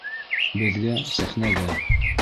Беҙгә сәхнәгә!